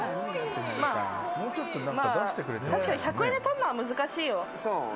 まあ確かに１００円で取るのは難しいよ。